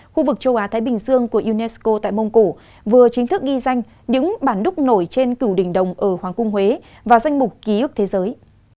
khu vực châu á thái bình dương của unesco tại mông cổ vừa chính thức ghi danh những bản đúc nổi trên cựu đỉnh đồng ở hoàng cung huế và danh mục ký ức thế giới